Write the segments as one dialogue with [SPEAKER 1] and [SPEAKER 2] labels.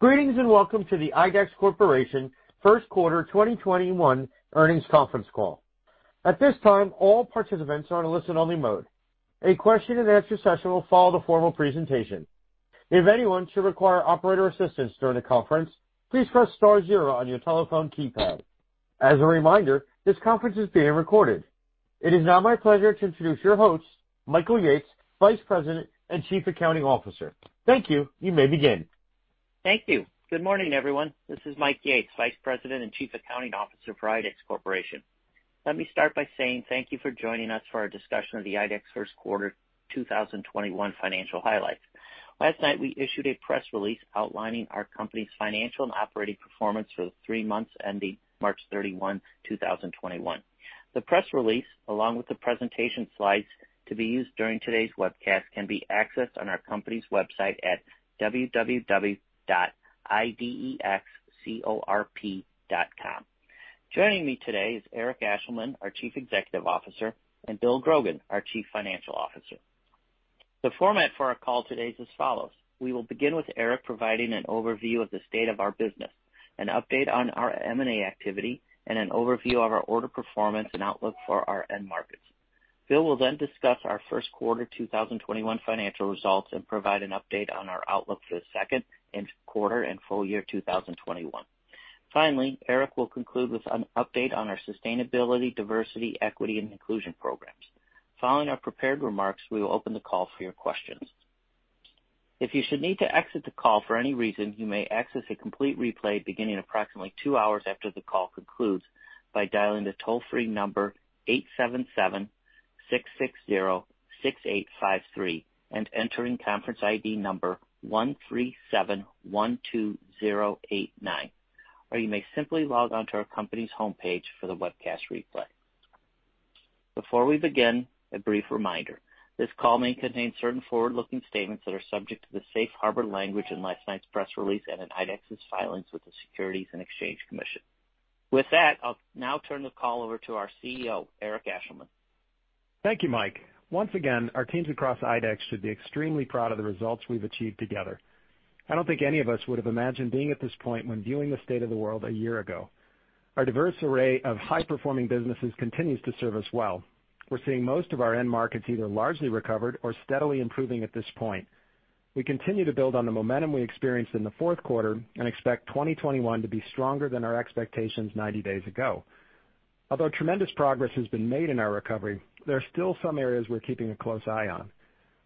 [SPEAKER 1] Greetings and welcome to the IDEX Corporation first quarter 2021 earnings conference call. At this time, all participants are in a listen-only mode. A question and answer session will follow the formal presentation. If anyone should require operator assistance during the conference, please press star zero on your telephone keypad. As a reminder, this conference is being recorded. It is now my pleasure to introduce your host, Michael Yates, Vice President and Chief Accounting Officer. Thank you. You may begin.
[SPEAKER 2] Thank you. Good morning, everyone. This is Michael Yates, Vice President and Chief Accounting Officer for IDEX Corporation. Let me start by saying thank you for joining us for our discussion of the IDEX first quarter 2021 financial highlights. Last night, we issued a press release outlining our company's financial and operating performance for the three months ending March 31, 2021. The press release, along with the presentation slides to be used during today's webcast, can be accessed on our company's website at idexcorp.com. Joining me today is Eric Ashleman, our Chief Executive Officer, and Bill Grogan, our Chief Financial Officer. The format for our call today is as follows. We will begin with Eric providing an overview of the state of our business, an update on our M&A activity, and an overview of our order performance and outlook for our end markets. Bill will discuss our first quarter 2021 financial results and provide an update on our outlook for the second quarter and full year 2021. Finally, Eric will conclude with an update on our sustainability, diversity, equity, and inclusion programs. Following our prepared remarks, we will open the call for your questions. If you should need to exit the call for any reason, you may access a complete replay beginning approximately two hours after the call concludes by dialing the toll-free number 877-660-6853 and entering conference ID number 13712089. You may simply log on to our company's homepage for the webcast replay. Before we begin, a brief reminder. This call may contain certain forward-looking statements that are subject to the safe harbor language in last night's press release and in IDEX's filings with the Securities and Exchange Commission. With that, I'll now turn the call over to our CEO, Eric Ashleman.
[SPEAKER 3] Thank you, Mike. Once again, our teams across IDEX Corporation should be extremely proud of the results we've achieved together. I don't think any of us would have imagined being at this point when viewing the state of the world a year ago. Our diverse array of high-performing businesses continues to serve us well. We're seeing most of our end markets either largely recovered or steadily improving at this point. We continue to build on the momentum we experienced in the fourth quarter and expect 2021 to be stronger than our expectations 90 days ago. Although tremendous progress has been made in our recovery, there are still some areas we're keeping a close eye on.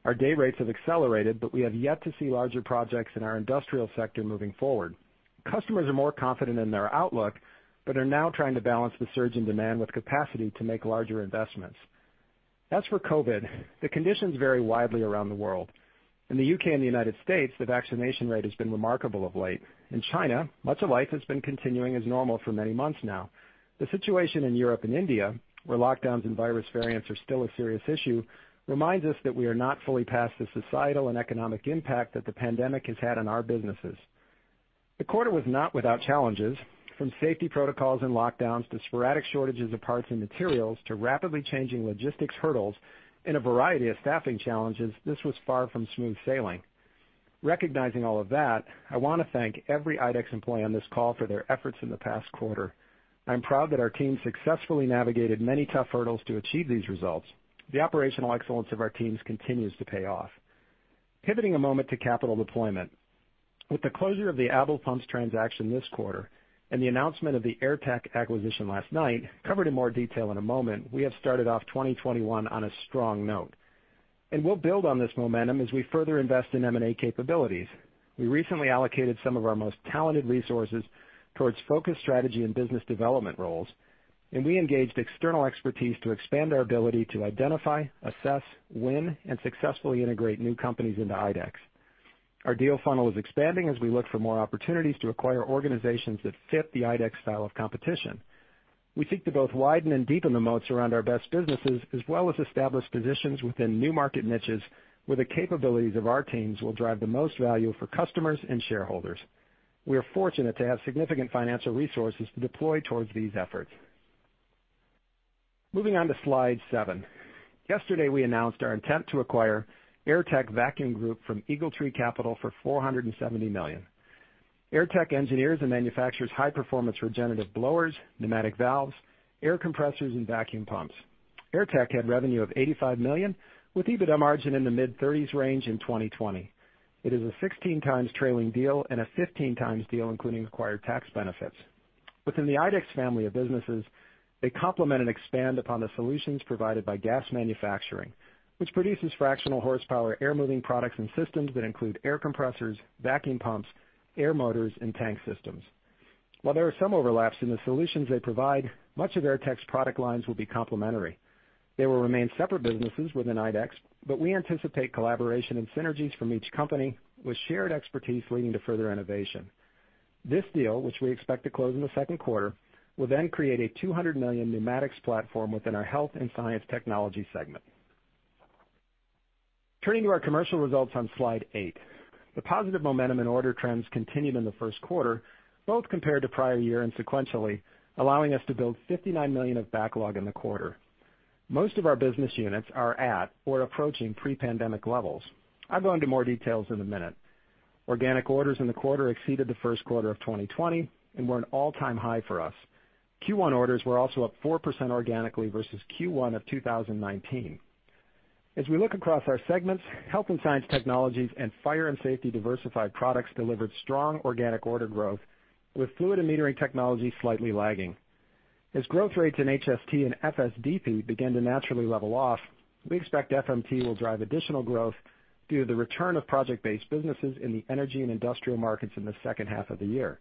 [SPEAKER 3] Our day rates have accelerated, but we have yet to see larger projects in our industrial sector moving forward. Customers are more confident in their outlook, but are now trying to balance the surge in demand with capacity to make larger investments. As for COVID, the conditions vary widely around the world. In the U.K. and the United States, the vaccination rate has been remarkable of late. In China, much of life has been continuing as normal for many months now. The situation in Europe and India, where lockdowns and virus variants are still a serious issue, reminds us that we are not fully past the societal and economic impact that the pandemic has had on our businesses. The quarter was not without challenges. From safety protocols and lockdowns to sporadic shortages of parts and materials to rapidly changing logistics hurdles and a variety of staffing challenges, this was far from smooth sailing. Recognizing all of that, I want to thank every IDEX employee on this call for their efforts in the past quarter. I'm proud that our team successfully navigated many tough hurdles to achieve these results. The operational excellence of our teams continues to pay off. Pivoting a moment to capital deployment. With the closure of the ABEL Pumps transaction this quarter and the announcement of the Airtech acquisition last night, covered in more detail in a moment, we have started off 2021 on a strong note. We'll build on this momentum as we further invest in M&A capabilities. We recently allocated some of our most talented resources towards focus strategy and business development roles, and we engaged external expertise to expand our ability to identify, assess, win, and successfully integrate new companies into IDEX. Our deal funnel is expanding as we look for more opportunities to acquire organizations that fit the IDEX style of competition. We seek to both widen and deepen the moats around our best businesses, as well as establish positions within new market niches where the capabilities of our teams will drive the most value for customers and shareholders. We are fortunate to have significant financial resources to deploy towards these efforts. Moving on to slide seven. Yesterday, we announced our intent to acquire Airtech Group from EagleTree Capital for $470 million. Airtech engineers and manufactures high-performance regenerative blowers, pneumatic valves, air compressors, and vacuum pumps. Airtech had revenue of $85 million with EBITDA margin in the mid-30s range in 2020. It is a 16 times trailing deal and a 15 times deal including acquired tax benefits. Within the IDEX family of businesses, they complement and expand upon the solutions provided by Gast Manufacturing, which produces fractional horsepower air moving products and systems that include air compressors, vacuum pumps, air motors, and tank systems. While there are some overlaps in the solutions they provide, much of Airtech's product lines will be complementary. They will remain separate businesses within IDEX, but we anticipate collaboration and synergies from each company with shared expertise leading to further innovation. This deal, which we expect to close in the second quarter, will then create a $200 million pneumatics platform within our Health & Science Technologies segment. Turning to our commercial results on slide eight. The positive momentum and order trends continued in the first quarter, both compared to prior year and sequentially, allowing us to build $59 million of backlog in the quarter. Most of our business units are at or approaching pre-pandemic levels. I'll go into more details in a minute. Organic orders in the quarter exceeded the first quarter of 2020 and were an all-time high for us. Q1 orders were also up 4% organically versus Q1 of 2019. As we look across our segments, Health & Science Technologies and Fire & Safety/Diversified Products delivered strong organic order growth, with Fluid & Metering Technologies slightly lagging. As growth rates in HST and FSDP begin to naturally level off, we expect FMT will drive additional growth due to the return of project-based businesses in the energy and industrial markets in the second half of the year.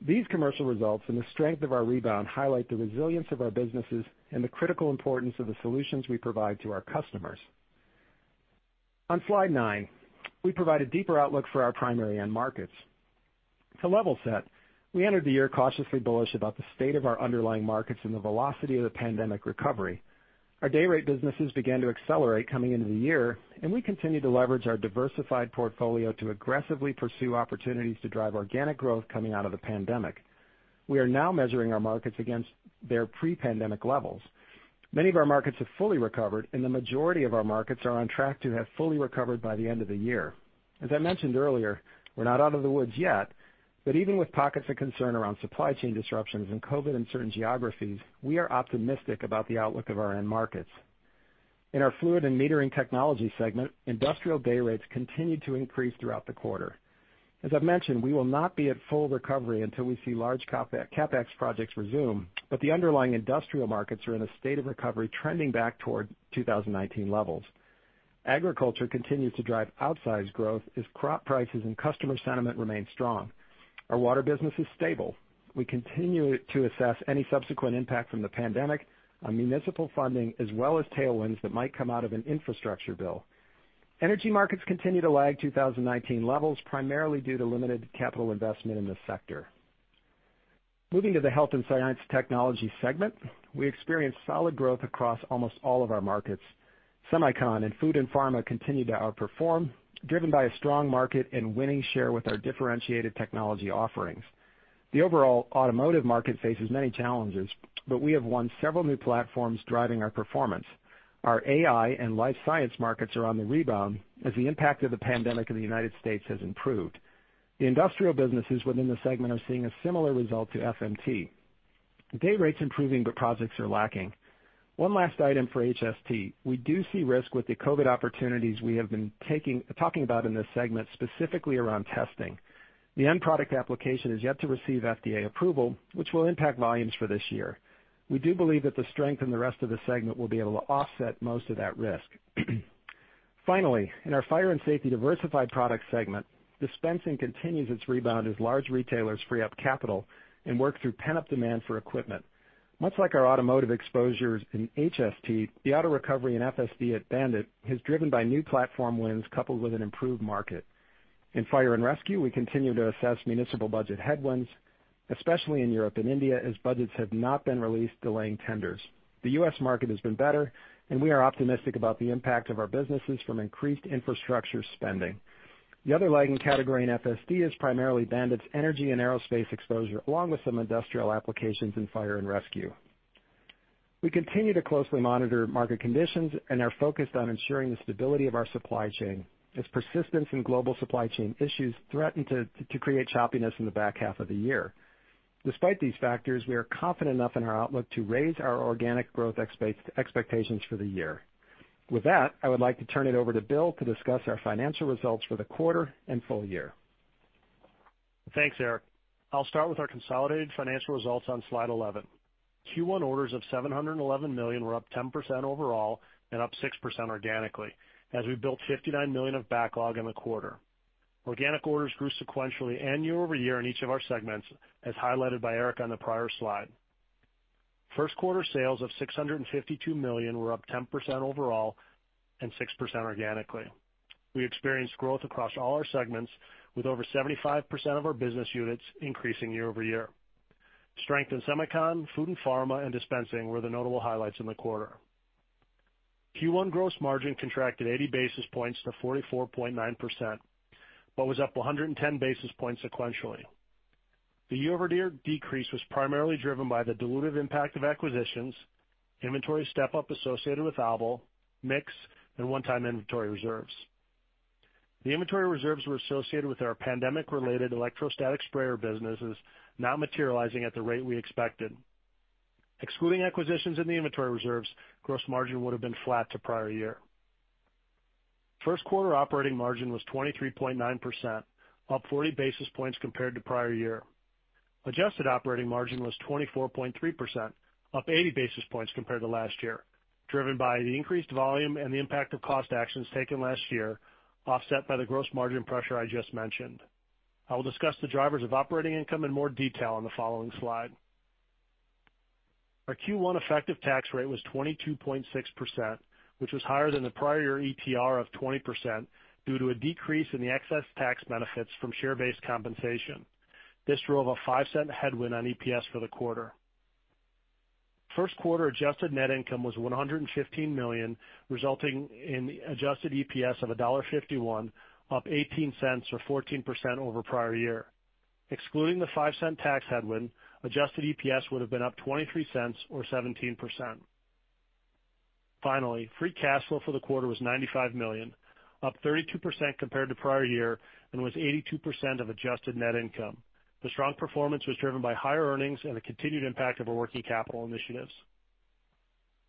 [SPEAKER 3] These commercial results and the strength of our rebound highlight the resilience of our businesses and the critical importance of the solutions we provide to our customers. On slide nine, we provide a deeper outlook for our primary end markets. To level set, we entered the year cautiously bullish about the state of our underlying markets and the velocity of the pandemic recovery. Our day rate businesses began to accelerate coming into the year, and we continue to leverage our diversified portfolio to aggressively pursue opportunities to drive organic growth coming out of the pandemic. We are now measuring our markets against their pre-pandemic levels. Many of our markets have fully recovered, and the majority of our markets are on track to have fully recovered by the end of the year. As I mentioned earlier, we're not out of the woods yet, but even with pockets of concern around supply chain disruptions and COVID in certain geographies, we are optimistic about the outlook of our end markets. In our Fluid & Metering Technologies segment, industrial day rates continued to increase throughout the quarter. As I've mentioned, we will not be at full recovery until we see large CapEx projects resume, but the underlying industrial markets are in a state of recovery trending back toward 2019 levels. Agriculture continues to drive outsized growth as crop prices and customer sentiment remain strong. Our water business is stable. We continue to assess any subsequent impact from the pandemic on municipal funding as well as tailwinds that might come out of an infrastructure bill. Energy markets continue to lag 2019 levels, primarily due to limited capital investment in this sector. Moving to the Health & Science Technologies segment, we experienced solid growth across almost all of our markets. semicon and food and pharma continue to outperform, driven by a strong market and winning share with our differentiated technology offerings. The overall automotive market faces many challenges, we have won several new platforms driving our performance. Our AI and life science markets are on the rebound as the impact of the pandemic in the U.S. has improved. The industrial businesses within the segment are seeing a similar result to FMT. Day rates improving, projects are lacking. One last item for HST. We do see risk with the COVID opportunities we have been talking about in this segment, specifically around testing. The end product application is yet to receive FDA approval, which will impact volumes for this year. We do believe that the strength in the rest of the segment will be able to offset most of that risk. Finally, in our Fire & Safety/Diversified Products segment, dispensing continues its rebound as large retailers free up capital and work through pent-up demand for equipment. Much like our automotive exposures in HST, the auto recovery in FSD at BAND-IT is driven by new platform wins coupled with an improved market. In Fire and Rescue, we continue to assess municipal budget headwinds, especially in Europe and India, as budgets have not been released, delaying tenders. The U.S. market has been better, we are optimistic about the impact of our businesses from increased infrastructure spending. The other lagging category in FSD is primarily BAND-IT's energy and aerospace exposure, along with some industrial applications in fire and rescue. We continue to closely monitor market conditions and are focused on ensuring the stability of our supply chain, as persistence in global supply chain issues threaten to create choppiness in the back half of the year. Despite these factors, we are confident enough in our outlook to raise our organic growth expectations for the year. With that, I would like to turn it over to Bill to discuss our financial results for the quarter and full year.
[SPEAKER 4] Thanks, Eric. I'll start with our consolidated financial results on slide 11. Q1 orders of $711 million were up 10% overall and up 6% organically as we built $59 million of backlog in the quarter. Organic orders grew sequentially and year-over-year in each of our segments, as highlighted by Eric on the prior slide. First quarter sales of $652 million were up 10% overall and 6% organically. We experienced growth across all our segments with over 75% of our business units increasing year-over-year. Strength in semicon, food and pharma, and dispensing were the notable highlights in the quarter. Q1 gross margin contracted 80 basis points to 44.9%, but was up 110 basis points sequentially. The year-over-year decrease was primarily driven by the dilutive impact of acquisitions, inventory step-up associated with ABEL, mix, and one-time inventory reserves. The inventory reserves were associated with our pandemic-related electrostatic sprayer businesses not materializing at the rate we expected. Excluding acquisitions in the inventory reserves, gross margin would have been flat to prior year. First quarter operating margin was 23.9%, up 40 basis points compared to prior year. Adjusted operating margin was 24.3%, up 80 basis points compared to last year, driven by the increased volume and the impact of cost actions taken last year, offset by the gross margin pressure I just mentioned. I will discuss the drivers of operating income in more detail on the following slide. Our Q1 effective tax rate was 22.6%, which was higher than the prior year ETR of 20% due to a decrease in the excess tax benefits from share-based compensation. This drove a $0.05 headwind on EPS for the quarter. First quarter adjusted net income was $115 million, resulting in adjusted EPS of $1.51, up $0.18 or 14% over prior year. Excluding the $0.05 tax headwind, adjusted EPS would've been up $0.23 or 17%. Finally, free cash flow for the quarter was $95 million, up 32% compared to prior year, and was 82% of adjusted net income. The strong performance was driven by higher earnings and the continued impact of our working capital initiatives.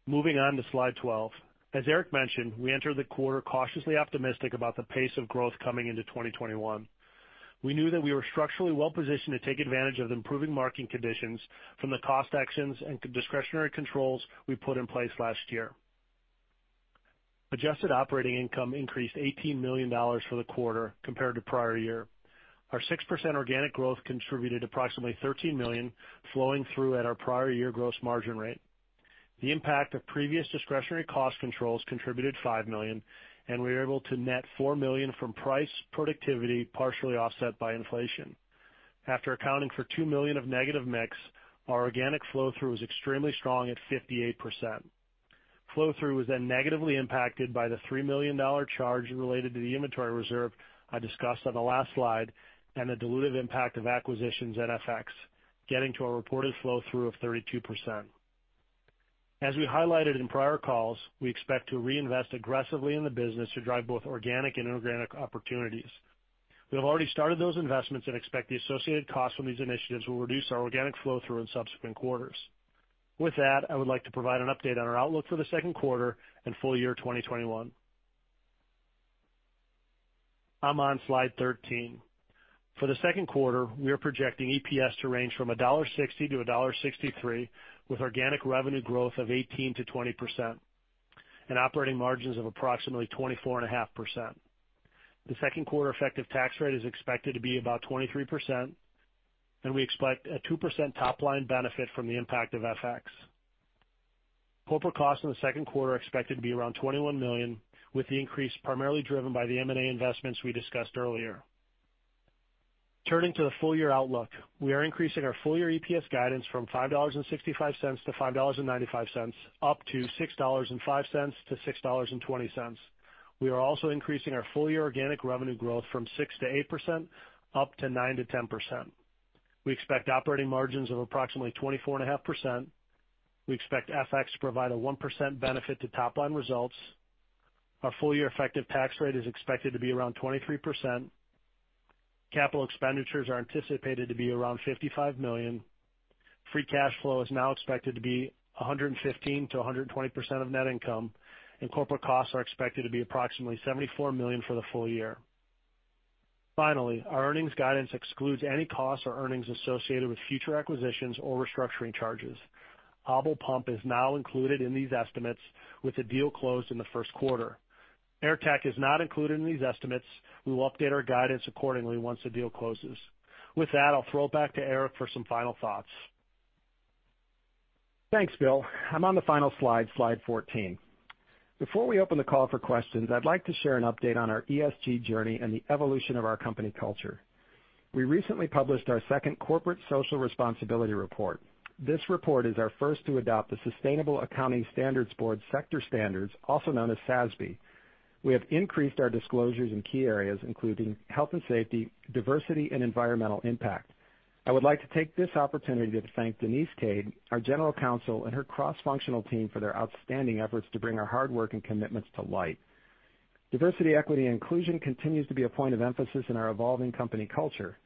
[SPEAKER 4] Moving on to slide 12. As Eric mentioned, we entered the quarter cautiously optimistic about the pace of growth coming into 2021. We knew that we were structurally well-positioned to take advantage of the improving market conditions from the cost actions and discretionary controls we put in place last year. Adjusted operating income increased $18 million for the quarter compared to prior year. Our 6% organic growth contributed approximately $13 million flowing through at our prior year gross margin rate. The impact of previous discretionary cost controls contributed $5 million, and we were able to net $4 million from price productivity partially offset by inflation. After accounting for $2 million of negative mix, our organic flow-through was extremely strong at 58%. Flow-through was then negatively impacted by the $3 million charge related to the inventory reserve I discussed on the last slide, and the dilutive impact of acquisitions and FX, getting to a reported flow-through of 32%. As we highlighted in prior calls, we expect to reinvest aggressively in the business to drive both organic and inorganic opportunities. We have already started those investments and expect the associated costs from these initiatives will reduce our organic flow-through in subsequent quarters. With that, I would like to provide an update on our outlook for the second quarter and full year 2021. I'm on slide 13. For the second quarter, we are projecting EPS to range from $1.60-$1.63, with organic revenue growth of 18%-20%, and operating margins of approximately 24.5%. The second quarter effective tax rate is expected to be about 23%, and we expect a 2% top-line benefit from the impact of FX. Corporate costs in the second quarter are expected to be around $21 million, with the increase primarily driven by the M&A investments we discussed earlier. Turning to the full-year outlook. We are increasing our full-year EPS guidance from $5.65-$5.95, up to $6.05-$6.20. We are also increasing our full-year organic revenue growth from 6%-8%, up to 9%-10%. We expect operating margins of approximately 24.5%. We expect FX to provide a 1% benefit to top-line results. Our full-year effective tax rate is expected to be around 23%. Capital expenditures are anticipated to be around $55 million. Free cash flow is now expected to be 115%-120% of net income, and corporate costs are expected to be approximately $74 million for the full year. Finally, our earnings guidance excludes any costs or earnings associated with future acquisitions or restructuring charges. ABEL Pumps is now included in these estimates, with the deal closed in the first quarter. Airtech is not included in these estimates. We will update our guidance accordingly once the deal closes. With that, I'll throw it back to Eric for some final thoughts.
[SPEAKER 3] Thanks, Bill. I'm on the final slide 14. Before we open the call for questions, I'd like to share an update on our ESG journey and the evolution of our company culture. We recently published our second corporate social responsibility report. This report is our first to adopt the Sustainability Accounting Standards Board sector standards, also known as SASB. We have increased our disclosures in key areas including health and safety, diversity, and environmental impact. I would like to take this opportunity to thank Denise Cade, our General Counsel, and her cross-functional team for their outstanding efforts to bring our hard work and commitments to light. Diversity, equity, and inclusion continues to be a point of emphasis in our evolving company culture.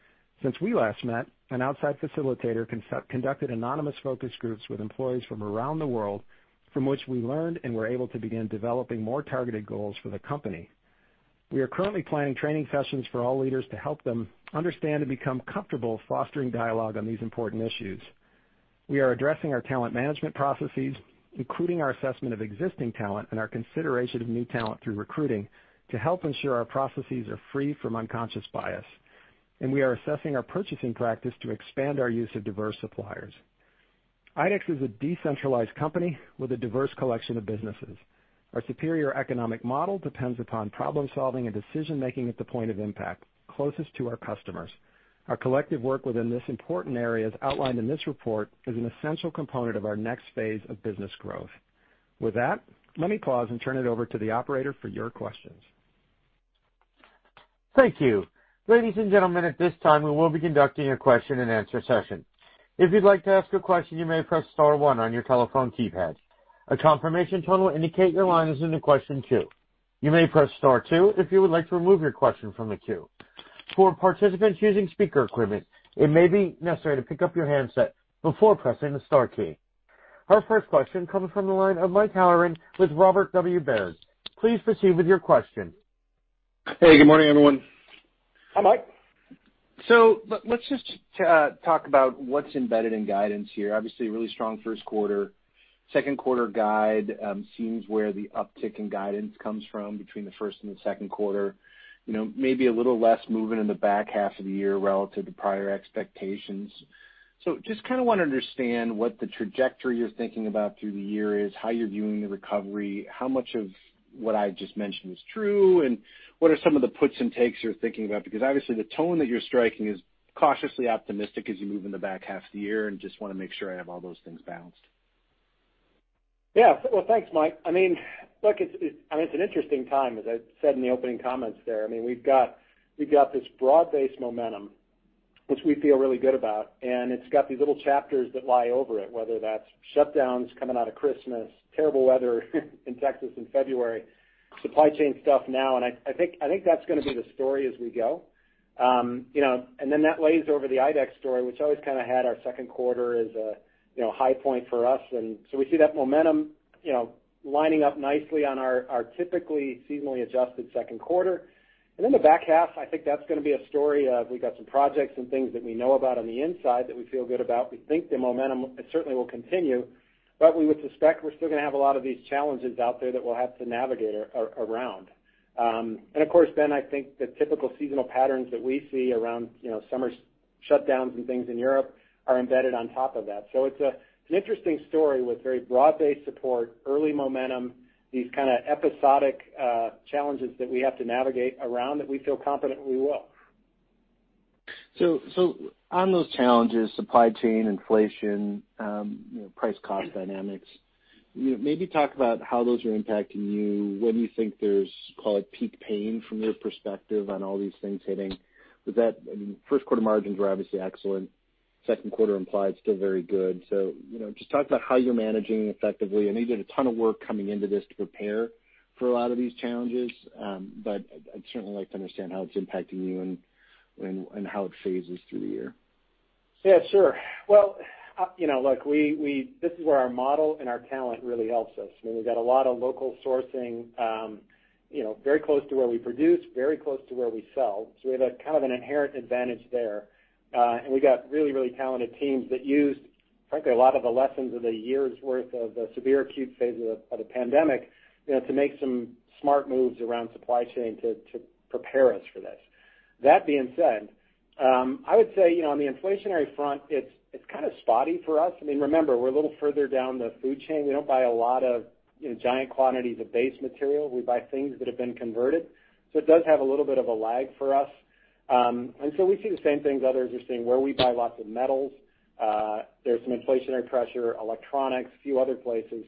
[SPEAKER 3] Since we last met, an outside facilitator conducted anonymous focus groups with employees from around the world, from which we learned and were able to begin developing more targeted goals for the company. We are currently planning training sessions for all leaders to help them understand and become comfortable fostering dialogue on these important issues. We are addressing our talent management processes, including our assessment of existing talent and our consideration of new talent through recruiting to help ensure our processes are free from unconscious bias. We are assessing our purchasing practice to expand our use of diverse suppliers. IDEX is a decentralized company with a diverse collection of businesses. Our superior economic model depends upon problem-solving and decision-making at the point of impact closest to our customers. Our collective work within this important area, as outlined in this report, is an essential component of our next phase of business growth. With that, let me pause and turn it over to the operator for your questions.
[SPEAKER 1] Thank you. Ladies and gentlemen, at this time, we will be conducting a question and answer session. If you'd like to ask a question, you may press star one on your telephone keypad. A confirmation tone will indicate your line is in the question queue. You may press star two if you would like to remove your question from the queue. For participants using speaker equipment, it may be necessary to pick up your handset before pressing the star key. Our first question comes from the line of Mike Halloran with Robert W. Baird. Please proceed with your question.
[SPEAKER 5] Hey, good morning, everyone.
[SPEAKER 3] Hi, Mike.
[SPEAKER 5] Let's just talk about what's embedded in guidance here. Obviously, really strong first quarter. Second quarter guide seems where the uptick in guidance comes from between the first and the second quarter. Maybe a little less movement in the back half of the year relative to prior expectations. Just kind of want to understand what the trajectory you're thinking about through the year is, how you're viewing the recovery, how much of what I just mentioned is true, and what are some of the puts and takes you're thinking about? Because obviously the tone that you're striking is cautiously optimistic as you move in the back half of the year, and just want to make sure I have all those things balanced.
[SPEAKER 3] Thanks, Mike. It's an interesting time, as I said in the opening comments there. We've got this broad-based momentum which we feel really good about. It's got these little chapters that lie over it, whether that's shutdowns coming out of Christmas, terrible weather in Texas in February, supply chain stuff now. I think that's going to be the story as we go. That lays over the IDEX story, which always kind of had our second quarter as a high point for us. We see that momentum lining up nicely on our typically seasonally adjusted second quarter. The back half, I think that's going to be a story of, we've got some projects and things that we know about on the inside that we feel good about. We think the momentum certainly will continue, but we would suspect we're still going to have a lot of these challenges out there that we'll have to navigate around. Of course, Ben, I think the typical seasonal patterns that we see around summer shutdowns and things in Europe are embedded on top of that. It's an interesting story with very broad-based support, early momentum, these kind of episodic challenges that we have to navigate around, that we feel confident we will.
[SPEAKER 5] On those challenges, supply chain, inflation, price cost dynamics, maybe talk about how those are impacting you. When do you think there's, call it, peak pain from your perspective on all these things hitting? First quarter margins were obviously excellent. Second quarter implied still very good. Just talk about how you're managing effectively. I know you did a ton of work coming into this to prepare for a lot of these challenges. I'd certainly like to understand how it's impacting you and how it phases through the year.
[SPEAKER 3] Yeah, sure. Well, look, this is where our model and our talent really helps us. We've got a lot of local sourcing, very close to where we produce, very close to where we sell. We have kind of an inherent advantage there. We've got really talented teams that used, frankly, a lot of the lessons of the year's worth of the severe acute phase of the pandemic to make some smart moves around supply chain to prepare us for this. That being said, I would say, on the inflationary front, it's kind of spotty for us. Remember, we're a little further down the food chain. We don't buy a lot of giant quantities of base material. We buy things that have been converted. It does have a little bit of a lag for us. We see the same things others are seeing. Where we buy lots of metals, there's some inflationary pressure, electronics, few other places.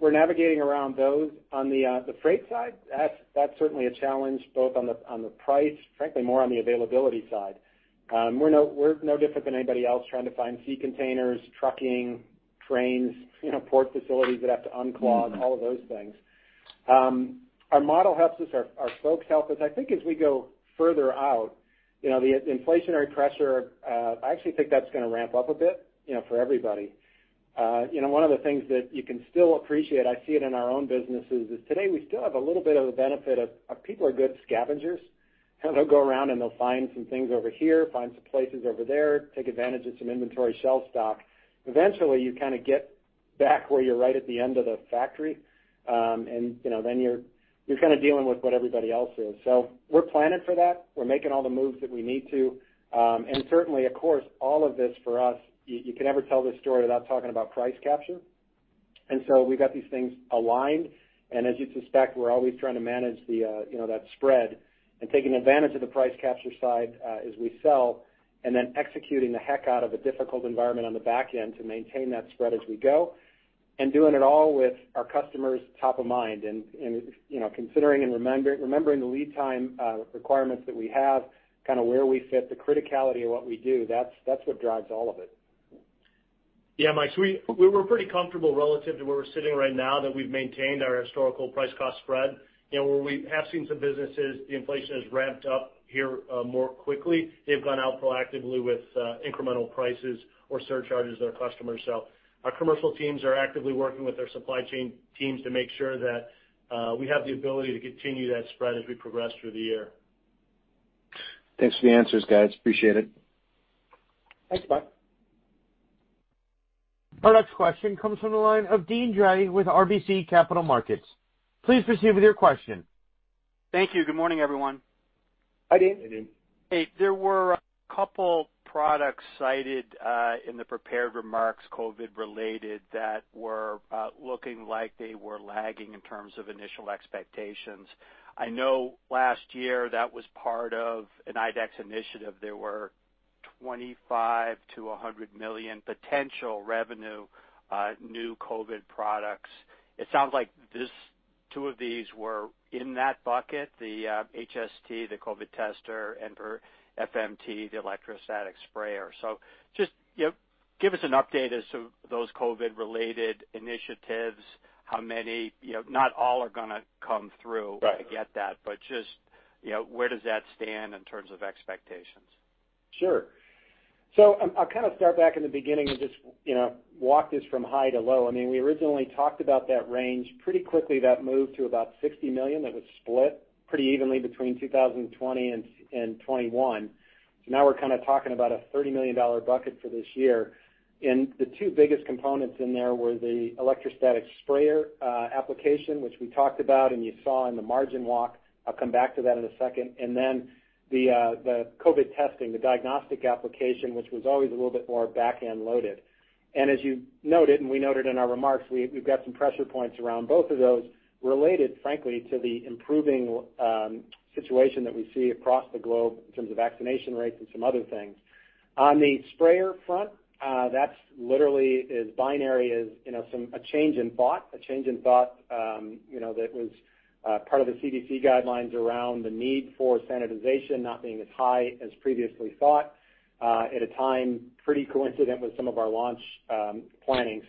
[SPEAKER 3] We're navigating around those. On the freight side, that's certainly a challenge, both on the price, frankly, more on the availability side. We're no different than anybody else trying to find sea containers, trucking, trains, port facilities that have to unclog, all of those things. Our model helps us. Our folks help us. I think as we go further out, the inflationary pressure, I actually think that's going to ramp up a bit for everybody. One of the things that you can still appreciate, I see it in our own businesses, is today we still have a little bit of a benefit of, people are good scavengers. They'll go around and they'll find some things over here, find some places over there, take advantage of some inventory shelf stock. Eventually, you kind of get back where you're right at the end of the factory, and then you're kind of dealing with what everybody else is. We're planning for that. We're making all the moves that we need to. Certainly, of course, all of this for us, you can never tell this story without talking about price capture. We've got these things aligned, and as you'd suspect, we're always trying to manage that spread and taking advantage of the price capture side as we sell, and then executing the heck out of a difficult environment on the back end to maintain that spread as we go, and doing it all with our customers top of mind. Considering and remembering the lead time requirements that we have, kind of where we fit, the criticality of what we do, that's what drives all of it.
[SPEAKER 4] Yeah, Mike, we were pretty comfortable relative to where we're sitting right now, that we've maintained our historical price cost spread. Where we have seen some businesses, the inflation has ramped up here more quickly. They've gone out proactively with incremental prices or surcharges to their customers. Our commercial teams are actively working with their supply chain teams to make sure that we have the ability to continue that spread as we progress through the year.
[SPEAKER 5] Thanks for the answers, guys. Appreciate it.
[SPEAKER 3] Thanks, Mike.
[SPEAKER 1] Our next question comes from the line of Deane Dray with RBC Capital Markets. Please proceed with your question.
[SPEAKER 6] Thank you. Good morning, everyone.
[SPEAKER 3] Hi, Deane.
[SPEAKER 4] Hey, Deane.
[SPEAKER 6] Hey. There were a couple products cited in the prepared remarks, COVID related, that were looking like they were lagging in terms of initial expectations. I know last year that was part of an IDEX initiative. There were $25 million-$100 million potential revenue, new COVID products. It sounds like two of these were in that bucket, the HST, the COVID tester, and FMT, the electrostatic sprayer. Just give us an update as to those COVID related initiatives. How many, not all are going to come through?
[SPEAKER 3] Right.
[SPEAKER 6] I get that, but just where does that stand in terms of expectations?
[SPEAKER 3] Sure. I'll kind of start back in the beginning and just walk this from high to low. We originally talked about that range. Pretty quickly, that moved to about $60 million that was split pretty evenly between 2020 and 2021. Now we're kind of talking about a $30 million bucket for this year. The two biggest components in there were the electrostatic sprayer application, which we talked about, and you saw in the margin walk. I'll come back to that in a second. The COVID testing, the diagnostic application, which was always a little bit more back-end loaded. As you noted, and we noted in our remarks, we've got some pressure points around both of those related, frankly, to the improving situation that we see across the globe in terms of vaccination rates and some other things. On the sprayer front. That literally is binary as a change in thought. A change in thought that was part of the CDC guidelines around the need for sanitization not being as high as previously thought, at a time pretty coincident with some of our launch planning.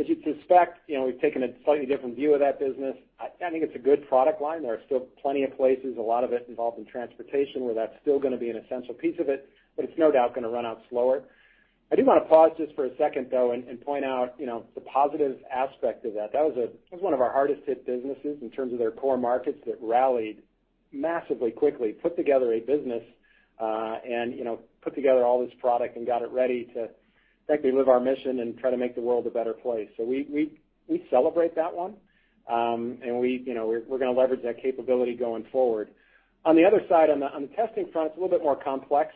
[SPEAKER 3] As you'd suspect, we've taken a slightly different view of that business. I think it's a good product line. There are still plenty of places, a lot of it involved in transportation, where that's still going to be an essential piece of it. It's no doubt going to run out slower. I do want to pause just for a second, though, and point out the positive aspect of that. That was one of our hardest hit businesses in terms of their core markets that rallied massively quickly, put together a business, and put together all this product and got it ready to effectively live our mission and try to make the world a better place. We celebrate that one. We're going to leverage that capability going forward. On the other side, on the testing front, it's a little bit more complex.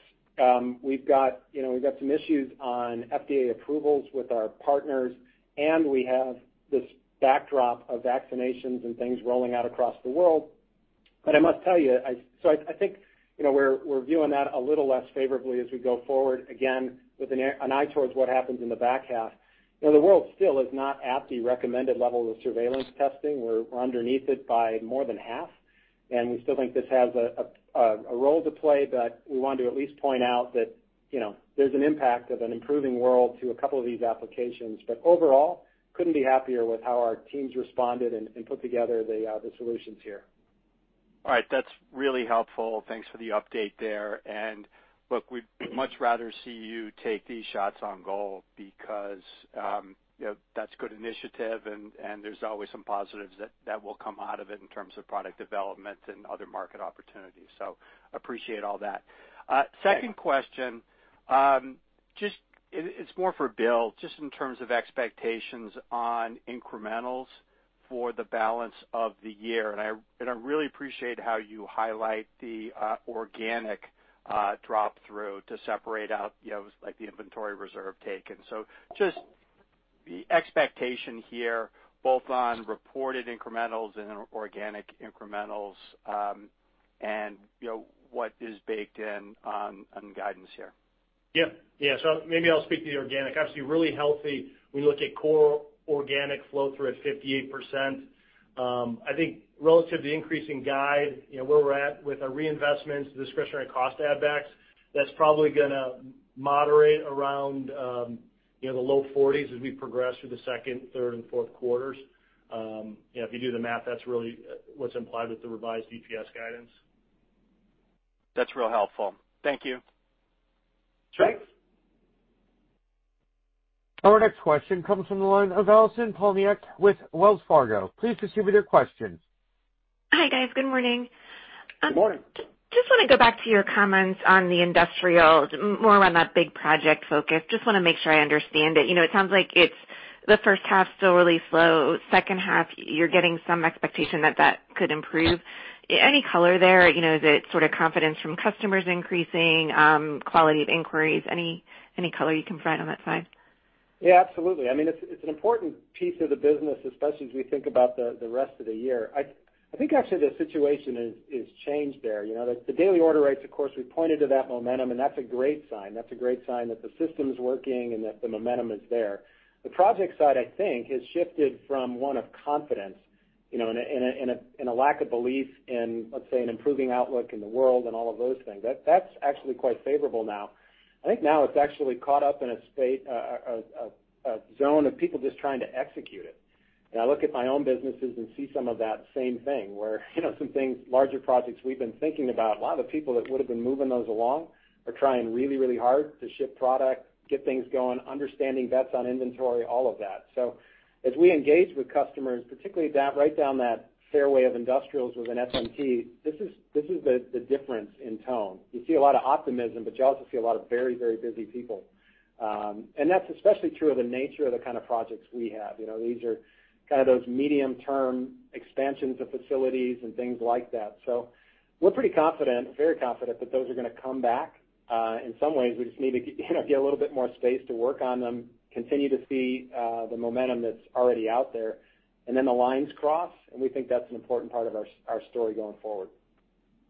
[SPEAKER 3] We've got some issues on FDA approvals with our partners, and we have this backdrop of vaccinations and things rolling out across the world. I must tell you, I think we're viewing that a little less favorably as we go forward, again, with an eye towards what happens in the back half. The world still is not at the recommended level of surveillance testing. We're underneath it by more than half, and we still think this has a role to play, but we want to at least point out that there's an impact of an improving world to a couple of these applications. Overall, couldn't be happier with how our teams responded and put together the solutions here.
[SPEAKER 6] All right. That's really helpful. Thanks for the update there. Look, we'd much rather see you take these shots on goal because that's good initiative, and there's always some positives that will come out of it in terms of product development and other market opportunities. Appreciate all that. Second question. It's more for Bill, just in terms of expectations on incrementals for the balance of the year. I really appreciate how you highlight the organic drop through to separate out the inventory reserve taken. Just the expectation here, both on reported incrementals and organic incrementals, and what is baked in on guidance here.
[SPEAKER 4] Yeah. Maybe I'll speak to the organic. Obviously, really healthy when you look at core organic flow through at 58%. I think relative to the increasing guide, where we're at with our reinvestments, discretionary cost add backs, that's probably going to moderate around the low 40s as we progress through the second, third, and fourth quarters. If you do the math, that's really what's implied with the revised EPS guidance.
[SPEAKER 6] That's real helpful. Thank you.
[SPEAKER 4] Sure.
[SPEAKER 1] Our next question comes from the line of Allison Poliniak with Wells Fargo. Please distribute your questions.
[SPEAKER 7] Hi, guys. Good morning.
[SPEAKER 4] Good morning.
[SPEAKER 7] Just want to go back to your comments on the industrial, more around that big project focus. Just want to make sure I understand it. It sounds like it is the first half still really slow. Second half, you are getting some expectation that that could improve. Any color there? Is it confidence from customers increasing, quality of inquiries? Any color you can provide on that side?
[SPEAKER 3] Yeah, absolutely. It's an important piece of the business, especially as we think about the rest of the year. I think actually the situation has changed there. The daily order rates, of course, we pointed to that momentum, and that's a great sign. That's a great sign that the system's working and that the momentum is there. The project side, I think, has shifted from one of confidence in a lack of belief in, let's say, an improving outlook in the world and all of those things. That's actually quite favorable now. I think now it's actually caught up in a zone of people just trying to execute it. I look at my own businesses and see some of that same thing where some things, larger projects we've been thinking about, a lot of the people that would've been moving those along are trying really hard to ship product, get things going, understanding bets on inventory, all of that. As we engage with customers, particularly right down that fairway of industrials within FMT, this is the difference in tone. You see a lot of optimism, you also see a lot of very busy people. That's especially true of the nature of the kind of projects we have. These are those medium-term expansions of facilities and things like that. We're pretty confident, very confident that those are going to come back. In some ways, we just need to get a little bit more space to work on them, continue to see the momentum that's already out there, and then the lines cross, and we think that's an important part of our story going forward.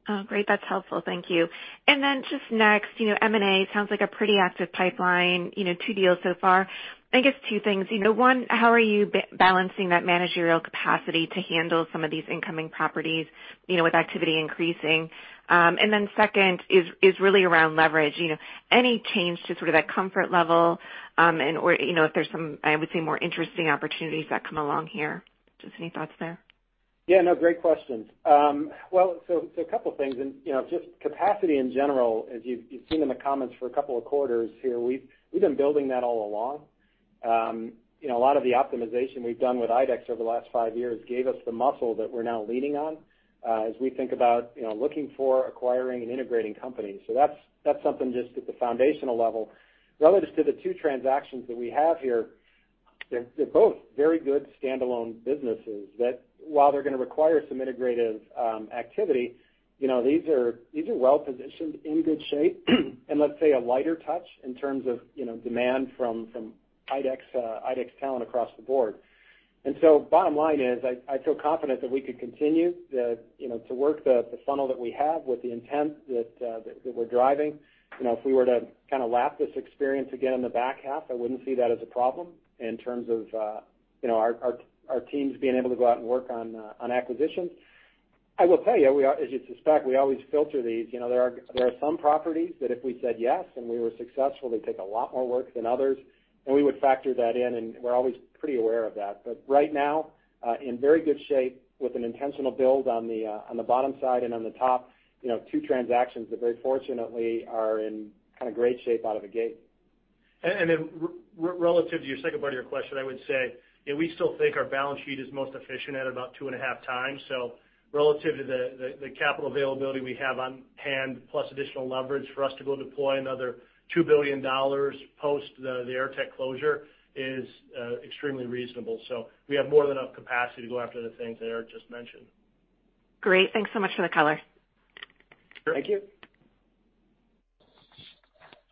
[SPEAKER 7] Oh, great. That's helpful. Thank you. Just next, M&A sounds like a pretty active pipeline, two deals so far. I guess two things. One, how are you balancing that managerial capacity to handle some of these incoming properties with activity increasing? Second is really around leverage. Any change to that comfort level, or if there's some, I would say, more interesting opportunities that come along here? Just any thoughts there?
[SPEAKER 3] No, great questions. A couple of things, and just capacity in general, as you've seen in the comments for a couple of quarters here, we've been building that all along. A lot of the optimization we've done with IDEX over the last five years gave us the muscle that we're now leaning on as we think about looking for acquiring and integrating companies. That's something just at the foundational level. Relative to the two transactions that we have here, they're both very good standalone businesses that while they're going to require some integrative activity, these are well-positioned, in good shape, and let's say a lighter touch in terms of demand from IDEX talent across the board. Bottom line is, I feel confident that we could continue to work the funnel that we have with the intent that we're driving. If we were to kind of lap this experience again in the back half, I wouldn't see that as a problem in terms of our teams being able to go out and work on acquisitions. I will tell you, as you'd suspect, we always filter these. There are some properties that if we said yes, and we were successful, they take a lot more work than others, and we would factor that in, and we're always pretty aware of that. But right now, in very good shape with an intentional build on the bottom side and on the top, two transactions that very fortunately are in great shape out of the gate.
[SPEAKER 4] Relative to your second part of your question, I would say we still think our balance sheet is most efficient at about two and a half times. Relative to the capital availability we have on hand, plus additional leverage for us to go deploy another $2 billion post the Airtech closure is extremely reasonable. We have more than enough capacity to go after the things that Eric just mentioned.
[SPEAKER 7] Great. Thanks so much for the color.
[SPEAKER 4] Thank you.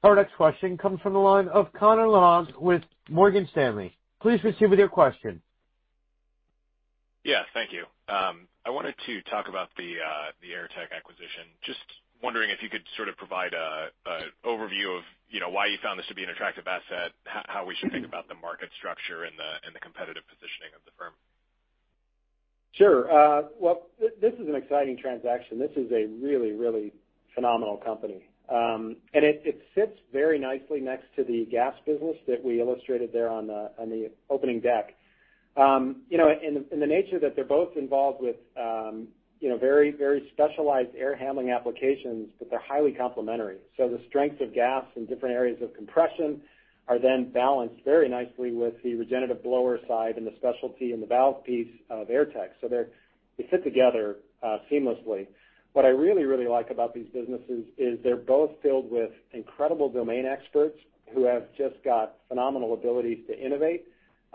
[SPEAKER 1] Our next question comes from the line of Connor Lynagh with Morgan Stanley. Please proceed with your question.
[SPEAKER 8] Yeah, thank you. I wanted to talk about the Airtech acquisition. Just wondering if you could sort of provide an overview of why you found this to be an attractive asset, how we should think about the market structure and the competitive positioning of the firm.
[SPEAKER 3] Sure. Well, this is an exciting transaction. This is a really phenomenal company. It sits very nicely next to the Gast business that we illustrated there on the opening deck. In the nature that they're both involved with very specialized air handling applications, but they're highly complementary. The strength of Gast in different areas of compression are then balanced very nicely with the regenerative blower side and the specialty and the valve piece of Airtech. They fit together seamlessly. What I really like about these businesses is they're both filled with incredible domain experts who have just got phenomenal abilities to innovate.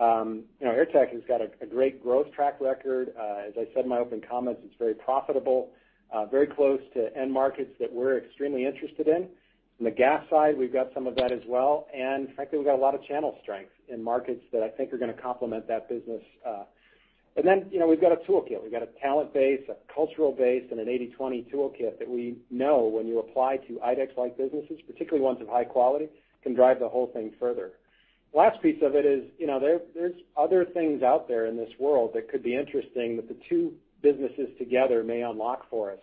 [SPEAKER 3] Airtech has got a great growth track record. As I said in my opening comments, it's very profitable, very close to end markets that we're extremely interested in. On the Gast side, we've got some of that as well. Frankly, we've got a lot of channel strength in markets that I think are going to complement that business. Then we've got a toolkit. We've got a talent base, a cultural base, and an 80/20 toolkit that we know when you apply to IDEX-like businesses, particularly ones of high quality, can drive the whole thing further. Last piece of it is, there's other things out there in this world that could be interesting that the two businesses together may unlock for us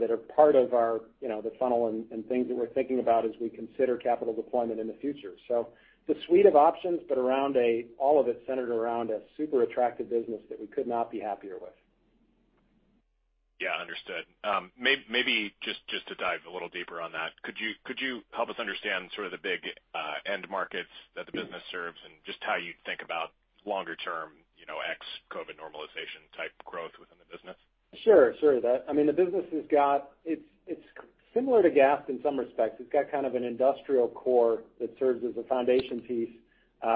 [SPEAKER 3] that are part of the funnel and things that we're thinking about as we consider capital deployment in the future. It's a suite of options, but all of it's centered around a super attractive business that we could not be happier with.
[SPEAKER 8] Yeah, understood. Maybe just to dive a little deeper on that, could you help us understand sort of the big end markets that the business serves and just how you think about longer term, ex-COVID normalization type growth within the business?
[SPEAKER 3] Sure. The business is similar to Gast in some respects. It's got kind of an industrial core that serves as a foundation piece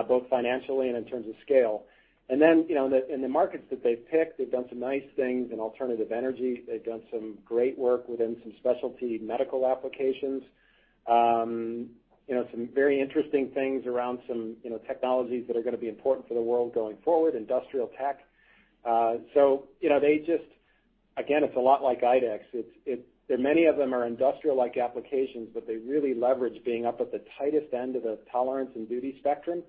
[SPEAKER 3] both financially and in terms of scale. Then in the markets that they've picked, they've done some nice things in alternative energy. They've done some great work within some specialty medical applications. Some very interesting things around some technologies that are going to be important for the world going forward, industrial tech. Again, it's a lot like IDEX. Many of them are industrial-like applications, but they really leverage being up at the tightest end of the tolerance and duty spectrum.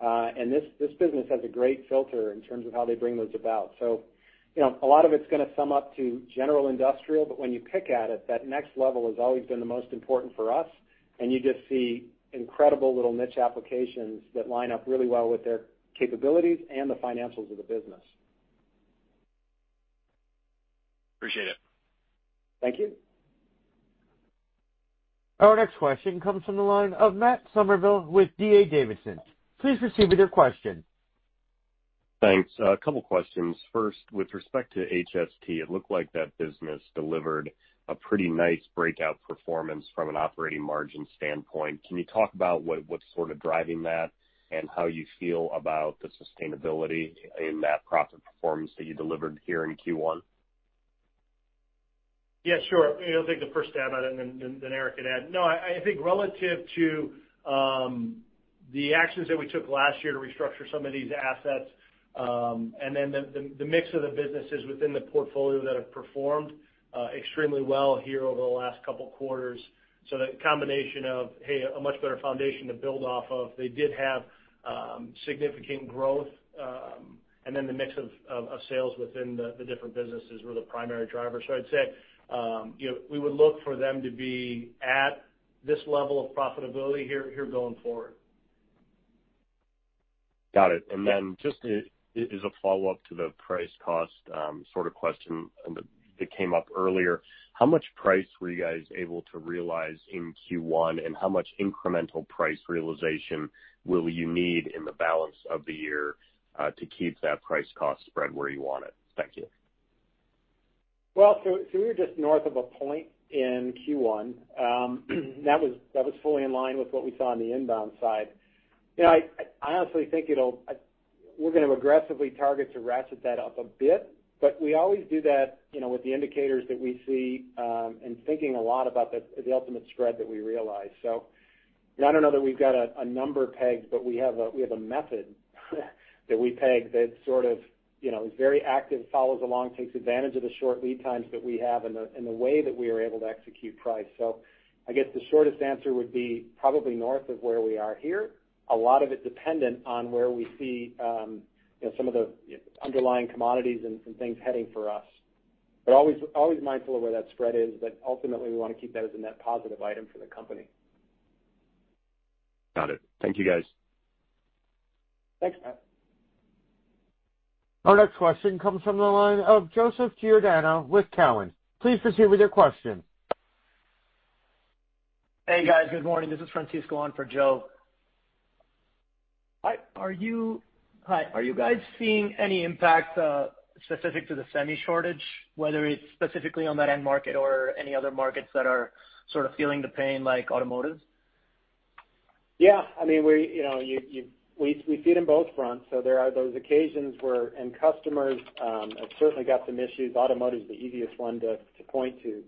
[SPEAKER 3] This business has a great filter in terms of how they bring those about. A lot of it's going to sum up to general industrial, but when you pick at it, that next level has always been the most important for us, and you just see incredible little niche applications that line up really well with their capabilities and the financials of the business.
[SPEAKER 8] Appreciate it.
[SPEAKER 3] Thank you.
[SPEAKER 1] Our next question comes from the line of Matt Summerville with D.A. Davidson. Please proceed with your question.
[SPEAKER 9] Thanks. A couple questions. First, with respect to HST, it looked like that business delivered a pretty nice breakout performance from an operating margin standpoint. Can you talk about what's sort of driving that and how you feel about the sustainability in that profit performance that you delivered here in Q1?
[SPEAKER 4] Yeah, sure. I'll take the first stab at it, and then Eric can add. I think relative to the actions that we took last year to restructure some of these assets, and then the mix of the businesses within the portfolio that have performed extremely well here over the last couple quarters. The combination of a much better foundation to build off of. They did have significant growth, and then the mix of sales within the different businesses were the primary driver. I'd say we would look for them to be at this level of profitability here going forward.
[SPEAKER 9] Got it. Just as a follow-up to the price cost sort of question that came up earlier, how much price were you guys able to realize in Q1, and how much incremental price realization will you need in the balance of the year to keep that price cost spread where you want it? Thank you.
[SPEAKER 3] We were just north of a point in Q1. I honestly think we're going to aggressively target to ratchet that up a bit. We always do that with the indicators that we see, and thinking a lot about the ultimate spread that we realize. I don't know that we've got a number pegged, but we have a method that we peg that sort of is very active, follows along, takes advantage of the short lead times that we have and the way that we are able to execute price. I guess the shortest answer would be probably north of where we are here. A lot of it dependent on where we see some of the underlying commodities and some things heading for us. Always mindful of where that spread is, but ultimately we want to keep that as a net positive item for the company.
[SPEAKER 9] Got it. Thank you, guys.
[SPEAKER 3] Thanks, Matt.
[SPEAKER 1] Our next question comes from the line of Joseph Giordano with Cowen. Please proceed with your question.
[SPEAKER 10] Hey, guys. Good morning. This is Francisco on for Joe. Hi. Are you guys seeing any impact specific to the semi shortage, whether it's specifically on that end market or any other markets that are sort of feeling the pain like automotive?
[SPEAKER 3] Yeah. We see it in both fronts. There are those occasions where customers have certainly got some issues. Automotive's the easiest one to point to.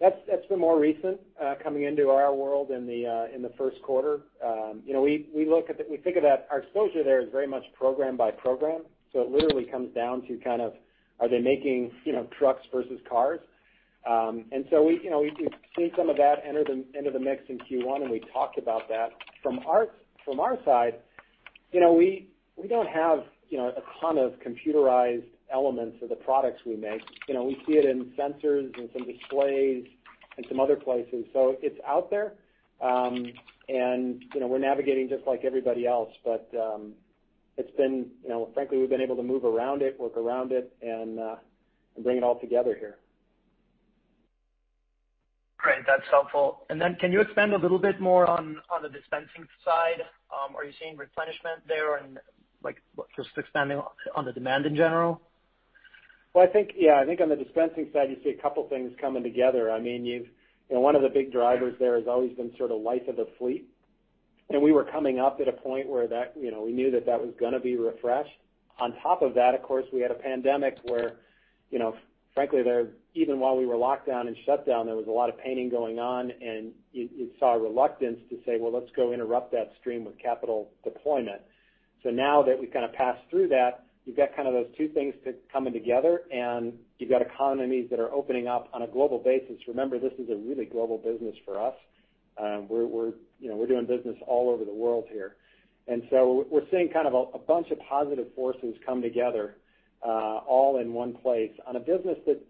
[SPEAKER 3] That's been more recent coming into our world in the first quarter. We think of that our exposure there is very much program by program, so it literally comes down to kind of are they making trucks versus cars? We've seen some of that enter the mix in Q1, and we talked about that. From our side, we don't have a ton of computerized elements of the products we make. We see it in sensors and some displays and some other places. It's out there. We're navigating just like everybody else, but frankly, we've been able to move around it, work around it, and bring it all together here.
[SPEAKER 10] Great. That's helpful. Can you expand a little bit more on the dispensing side? Are you seeing replenishment there and just expanding on the demand in general?
[SPEAKER 3] Well, I think on the dispensing side, you see a couple things coming together. One of the big drivers there has always been sort of life of the fleet. We were coming up at a point where we knew that that was going to be refreshed. On top of that, of course, we had a pandemic where frankly, even while we were locked down and shut down, there was a lot of painting going on, and you saw a reluctance to say, "Well, let's go interrupt that stream with capital deployment." Now that we've kind of passed through that, you've got kind of those two things coming together, and you've got economies that are opening up on a global basis. Remember, this is a really global business for us. We're doing business all over the world here. We're seeing kind of a bunch of positive forces come together all in one place on a business that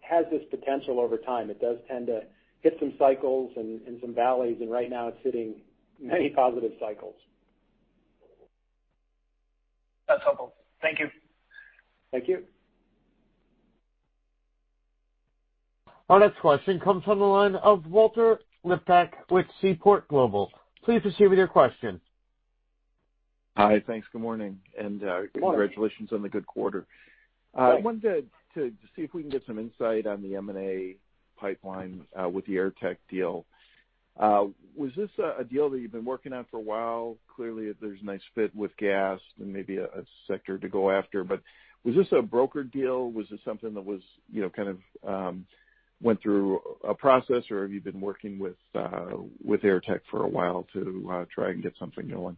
[SPEAKER 3] has this potential over time. It does tend to hit some cycles and some valleys, and right now it's hitting many positive cycles.
[SPEAKER 10] That's helpful. Thank you.
[SPEAKER 3] Thank you.
[SPEAKER 1] Our next question comes from the line of Walter Liptak with Seaport Global. Please proceed with your question.
[SPEAKER 11] Hi. Thanks. Good morning.
[SPEAKER 3] Good morning.
[SPEAKER 11] Congratulations on the good quarter. I wanted to see if we can get some insight on the M&A pipeline with the Airtech deal. Was this a deal that you've been working on for a while? Clearly, there's a nice fit with Gast and maybe a sector to go after, but was this a brokered deal? Was this something that kind of went through a process, or have you been working with Airtech for a while to try and get something going?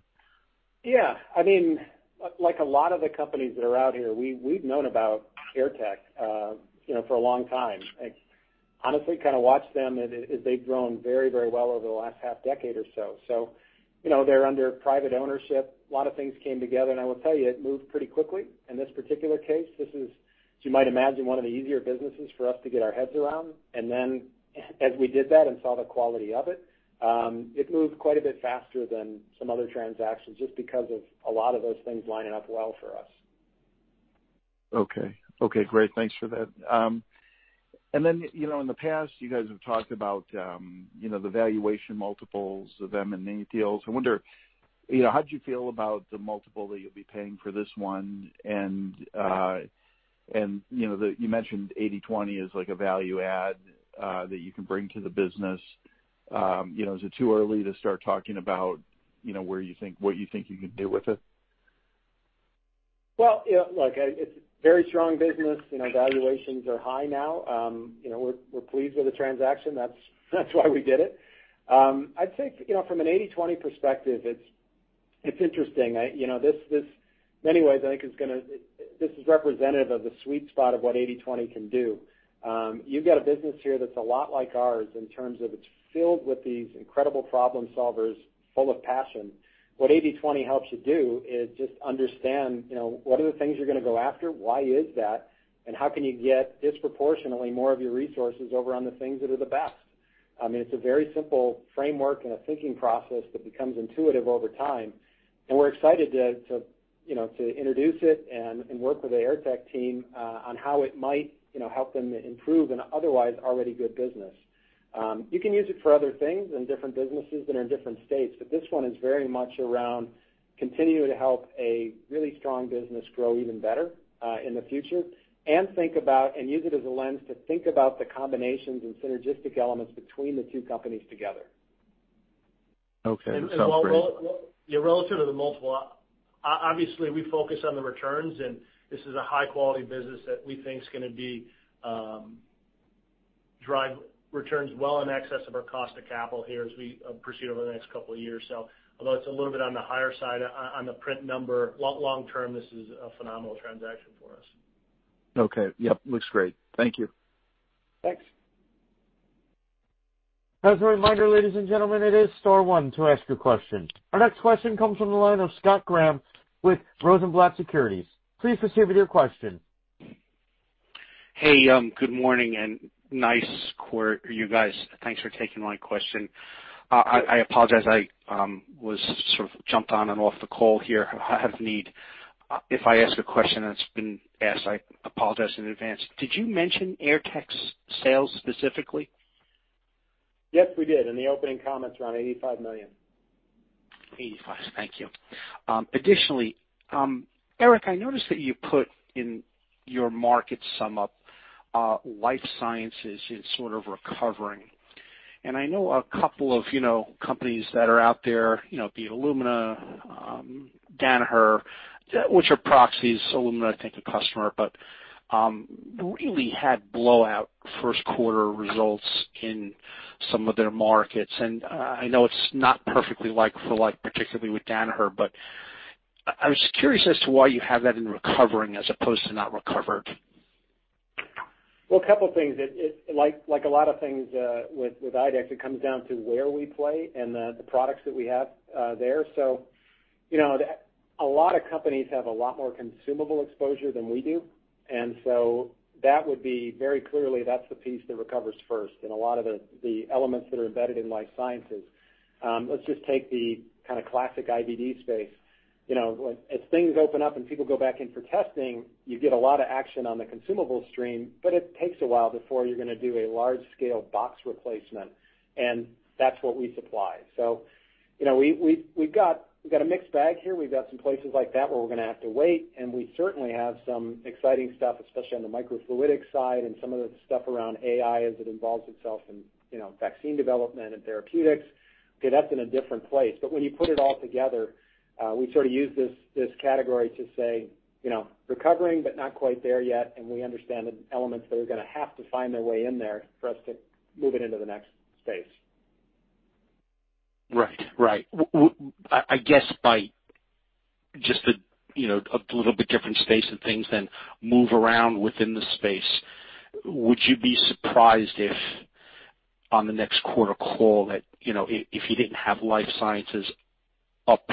[SPEAKER 3] Yeah. Like a lot of the companies that are out here, we've known about Airtech for a long time. Honestly, kind of watched them as they've grown very well over the last half decade or so. They're under private ownership. A lot of things came together, and I will tell you, it moved pretty quickly in this particular case. This is, as you might imagine, one of the easier businesses for us to get our heads around. As we did that and saw the quality of it moved quite a bit faster than some other transactions just because of a lot of those things lining up well for us.
[SPEAKER 11] Okay. Great. Thanks for that. In the past, you guys have talked about the valuation multiples of M&A deals. I wonder, how'd you feel about the multiple that you'll be paying for this one and you mentioned 80/20 is like a value add that you can bring to the business. Is it too early to start talking about what you think you can do with it?
[SPEAKER 3] Well, look, it's very strong business. Valuations are high now. We're pleased with the transaction. That's why we did it. I'd say from an 80/20 perspective, it's interesting. In many ways, I think this is representative of the sweet spot of what 80/20 can do. You've got a business here that's a lot like ours in terms of it's filled with these incredible problem solvers full of passion. What 80/20 helps you do is just understand what are the things you're going to go after, why is that, and how can you get disproportionately more of your resources over on the things that are the best? It's a very simple framework and a thinking process that becomes intuitive over time, and we're excited to introduce it and work with the Airtech team on how it might help them improve an otherwise already good business. You can use it for other things in different businesses and in different states, but this one is very much around continuing to help a really strong business grow even better in the future and use it as a lens to think about the combinations and synergistic elements between the two companies together.
[SPEAKER 11] Okay. Sounds great.
[SPEAKER 4] Yeah, relative to the multiple, obviously we focus on the returns, this is a high-quality business that we think is going to drive returns well in excess of our cost of capital here as we proceed over the next couple of years. Although it's a little bit on the higher side on the print number, long term, this is a phenomenal transaction for us.
[SPEAKER 11] Okay. Yep, looks great. Thank you.
[SPEAKER 3] Thanks.
[SPEAKER 1] As a reminder, ladies and gentlemen, it is star one to ask a question. Our next question comes from the line of Scott Graham with Rosenblatt Securities. Please proceed with your question.
[SPEAKER 12] Hey, good morning and nice quarter, you guys. Thanks for taking my question. I apologize, I sort of jumped on and off the call here out of need. If I ask a question that's been asked, I apologize in advance. Did you mention Airtech's sales specifically?
[SPEAKER 3] Yes, we did. In the opening comments, around $85 million.
[SPEAKER 12] $85 million. Thank you. Additionally, Eric, I noticed that you put in your market sum up life sciences is sort of recovering. I know a couple of companies that are out there, be it Illumina, Danaher, which are proxies. Illumina, I think, a customer. Really had blowout first quarter results in some of their markets, and I know it's not perfectly like for like, particularly with Danaher, but I was curious as to why you have that in recovering as opposed to not recovered.
[SPEAKER 3] A couple of things. Like a lot of things with IDEX, it comes down to where we play and the products that we have there. A lot of companies have a lot more consumable exposure than we do, and so that would be very clearly, that's the piece that recovers first in a lot of the elements that are embedded in life sciences. Let's just take the kind of classic IVD space. As things open up and people go back in for testing, you get a lot of action on the consumable stream, but it takes a while before you're going to do a large-scale box replacement, and that's what we supply. We've got a mixed bag here. We've got some places like that where we're going to have to wait, and we certainly have some exciting stuff, especially on the microfluidic side and some of the stuff around AI as it involves itself in vaccine development and therapeutics. Okay, that's in a different place, but when you put it all together, we sort of use this category to say recovering, but not quite there yet, and we understand the elements that are going to have to find their way in there for us to move it into the next space.
[SPEAKER 12] Right. I guess by just a little bit different space of things, then move around within the space. Would you be surprised if on the next quarter call that if you didn't have life sciences up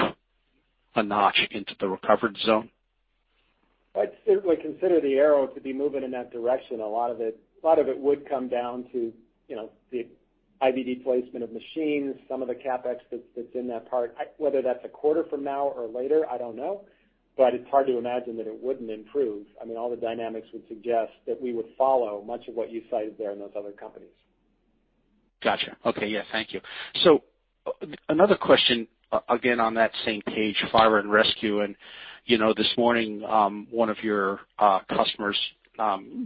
[SPEAKER 12] a notch into the recovered zone?
[SPEAKER 3] I'd certainly consider the arrow to be moving in that direction. A lot of it would come down to the IVD placement of machines, some of the CapEx that's in that part. Whether that's a quarter from now or later, I don't know. It's hard to imagine that it wouldn't improve. All the dynamics would suggest that we would follow much of what you cited there in those other companies.
[SPEAKER 12] Got you. Okay. Yeah, thank you. Another question again on that same page, fire and rescue, and this morning, one of your customers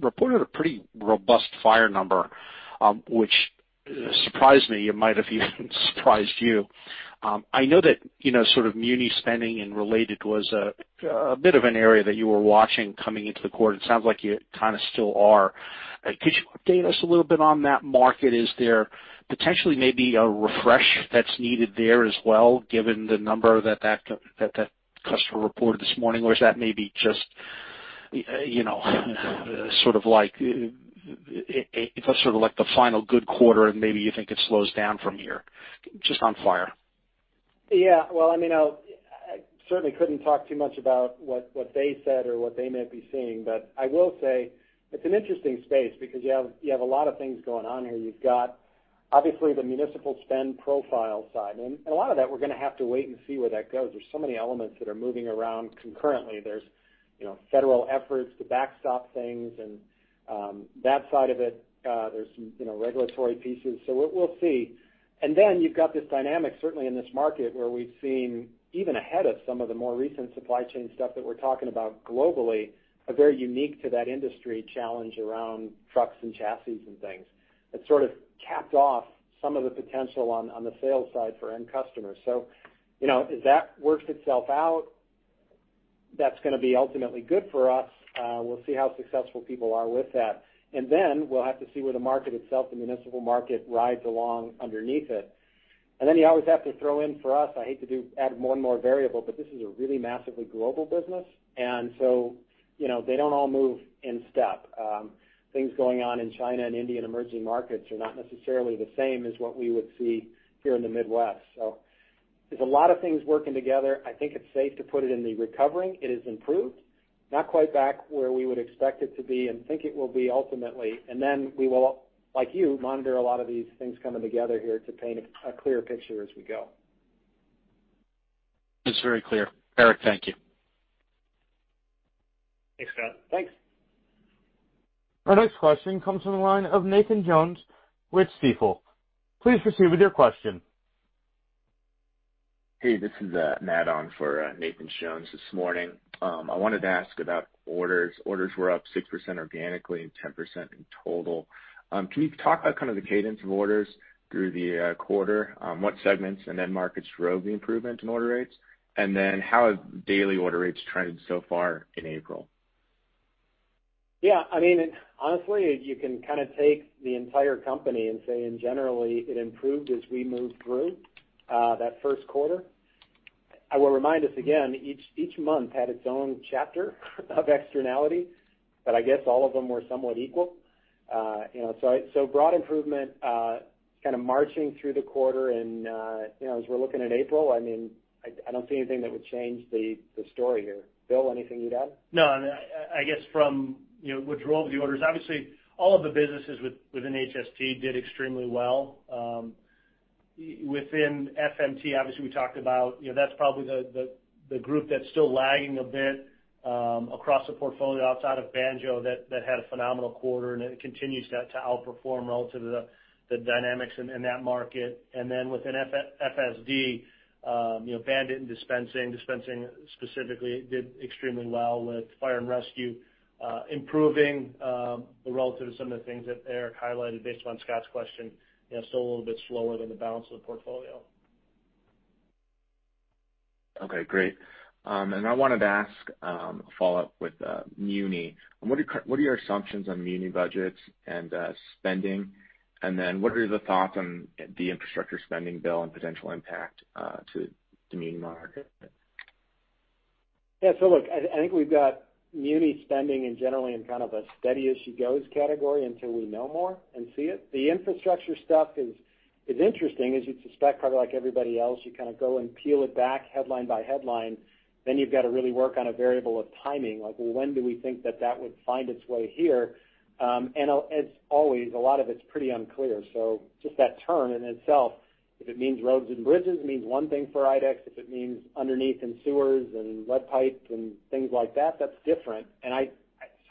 [SPEAKER 12] reported a pretty robust fire number, which surprised me. It might have even surprised you. I know that sort of muni spending and related was a bit of an area that you were watching coming into the quarter. It sounds like you kind of still are. Could you update us a little bit on that market? Is there potentially maybe a refresh that's needed there as well, given the number that customer reported this morning, or is that maybe just sort of like the final good quarter, and maybe you think it slows down from here, just on fire?
[SPEAKER 3] Well, I certainly couldn't talk too much about what they said or what they might be seeing, but I will say it's an interesting space because you have a lot of things going on here. You've got, obviously, the municipal spend profile side, and a lot of that, we're going to have to wait and see where that goes. There's so many elements that are moving around concurrently. There's federal efforts to backstop things and that side of it. There's some regulatory pieces. We'll see. You've got this dynamic, certainly in this market, where we've seen even ahead of some of the more recent supply chain stuff that we're talking about globally, a very unique to that industry challenge around trucks and chassis and things that sort of capped off some of the potential on the sales side for end customers. As that works itself out, that's going to be ultimately good for us. We'll see how successful people are with that. Then we'll have to see where the market itself, the municipal market, rides along underneath it. Then you always have to throw in for us, I hate to add more and more variable, but this is a really massively global business. They don't all move in step. Things going on in China and India and emerging markets are not necessarily the same as what we would see here in the Midwest. There's a lot of things working together. I think it's safe to put it in the recovering. It is improved, not quite back where we would expect it to be and think it will be ultimately. We will, like you, monitor a lot of these things coming together here to paint a clear picture as we go.
[SPEAKER 12] It's very clear. Eric, thank you.
[SPEAKER 3] Thanks, Scott.
[SPEAKER 1] Thanks. Our next question comes from the line of Nathan Jones with Stifel. Please proceed with your question.
[SPEAKER 13] Hey, this is Matt on for Nathan Jones this morning. I wanted to ask about orders. Orders were up 6% organically and 10% in total. Can you talk about kind of the cadence of orders through the quarter? What segments and end markets drove the improvement in order rates? How have daily order rates trended so far in April?
[SPEAKER 3] Yeah. Honestly, you can take the entire company and say in general it improved as we moved through that first quarter. I will remind us again, each month had its own chapter of externality, but I guess all of them were somewhat equal. So broad improvement kind of marching through the quarter and as we're looking at April, I don't see anything that would change the story here. Bill, anything you'd add?
[SPEAKER 4] I guess from what drove the orders, obviously all of the businesses within HST did extremely well. Within FMT, obviously we talked about how that's probably the group that's still lagging a bit across the portfolio outside of Banjo that had a phenomenal quarter and it continues to outperform relative to the dynamics in that market. Within FSD, BAND-IT and Dispensing. Dispensing specifically did extremely well with Fire and Rescue improving relative to some of the things that Eric highlighted based on Scott's question, still a little bit slower than the balance of the portfolio.
[SPEAKER 13] Okay, great. I wanted to ask a follow-up with muni. What are your assumptions on muni budgets and spending? What are the thoughts on the infrastructure spending bill and potential impact to muni market?
[SPEAKER 3] Yeah. Look, I think we've got muni spending in generally in kind of a steady as she goes category until we know more and see it. The infrastructure stuff is interesting, as you'd suspect, probably like everybody else, you kind of go and peel it back headline by headline, then you've got to really work on a variable of timing, like when do we think that that would find its way here? As always, a lot of it's pretty unclear. Just that term in itself, if it means roads and bridges, it means one thing for IDEX. If it means underneath in sewers and lead pipes and things like that's different. It's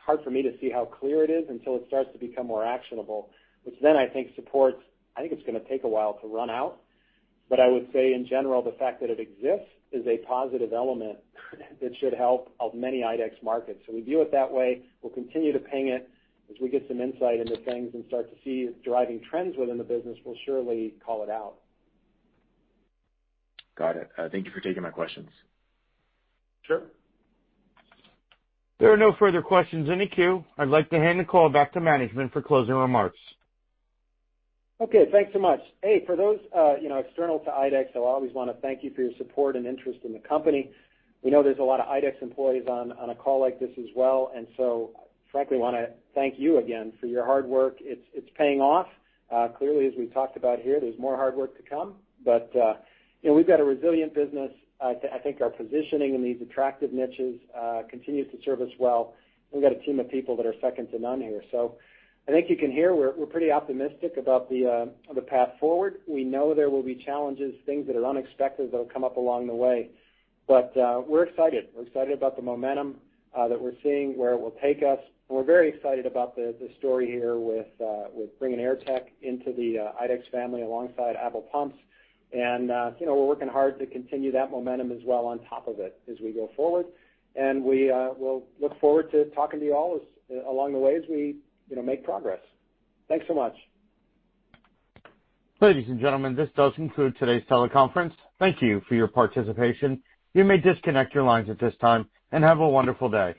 [SPEAKER 3] hard for me to see how clear it is until it starts to become more actionable, which then I think supports. I think it's going to take a while to run out. I would say in general, the fact that it exists is a positive element that should help many IDEX markets. We view it that way. We'll continue to ping it as we get some insight into things and start to see it driving trends within the business, we'll surely call it out.
[SPEAKER 13] Got it. Thank you for taking my questions.
[SPEAKER 3] Sure.
[SPEAKER 1] There are no further questions in the queue. I'd like to hand the call back to management for closing remarks.
[SPEAKER 3] Okay. Thanks so much. Hey, for those external to IDEX, I always want to thank you for your support and interest in the company. We know there's a lot of IDEX employees on a call like this as well. Frankly, want to thank you again for your hard work. It's paying off. Clearly, as we've talked about here, there's more hard work to come. We've got a resilient business. I think our positioning in these attractive niches continues to serve us well. We've got a team of people that are second to none here. I think you can hear we're pretty optimistic about the path forward. We know there will be challenges, things that are unexpected that'll come up along the way. We're excited. We're excited about the momentum that we're seeing, where it will take us. We're very excited about the story here with bringing Airtech into the IDEX family alongside ABEL Pumps. We're working hard to continue that momentum as well on top of it as we go forward. We will look forward to talking to you all along the way as we make progress. Thanks so much.
[SPEAKER 1] Ladies and gentlemen, this does conclude today's teleconference. Thank you for your participation. You may disconnect your lines at this time, and have a wonderful day.